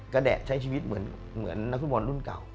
แดะใช้ชีวิตเหมือนนักฟุตบอลรุ่นเก่า